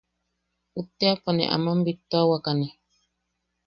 Utteʼapo nee aman bittuawakane.